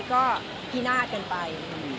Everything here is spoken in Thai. ก็พิหนาเกินไป